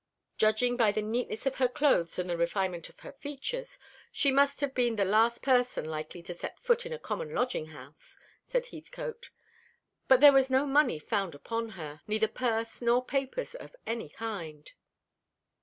"Judging by the neatness of her clothes and the refinement of her features, she must have been the last person likely to set foot in a common lodging house," said Heathcote. "But there was no money found upon her; neither purse nor papers of any kind."